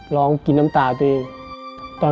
ร้องกินน้ำตาตัวเอง